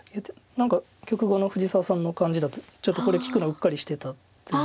何か局後の藤沢さんの感じだとちょっとこれ利くのをうっかりしてたという。